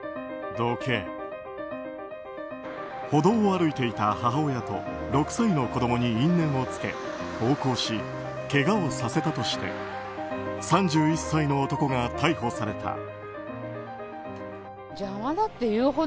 歩道を歩いていた母親と６歳の子供に因縁をつけ暴行し、けがをさせたとして３１歳の男が逮捕された。